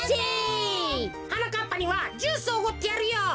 はなかっぱにはジュースをおごってやるよ。